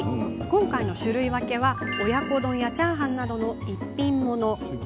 今回の種類分けは親子丼やチャーハンなどの一品もの。